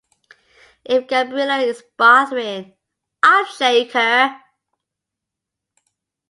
If Gabriella is bothering, I'll shake her.